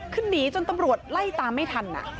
คือหนีจนตำรวจไล่ตามไม่ทัน